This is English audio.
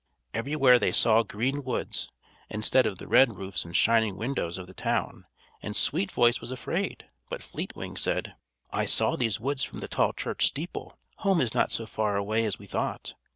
Everywhere they saw green woods, instead of the red roofs and shining windows of the town, and Sweet Voice was afraid; but Fleet Wing said: "I saw these woods from the tall church steeple. Home is not so far away as we thought."